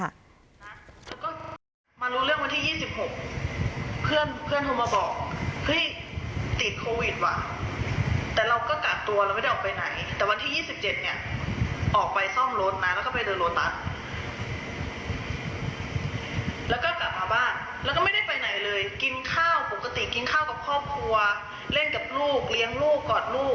เล่นกับลูกเลี้ยงลูกกอดลูก